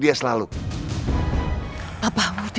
tidak bisa dimanfaatkan dia selalu